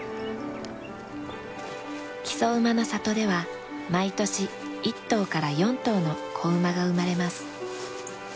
木曽馬の里では毎年１頭から４頭の子馬が生まれます。